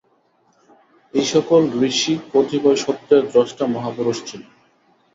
এই-সকল ঋষি কতিপয় সত্যের দ্রষ্টা মহাপুরুষ ছিলেন।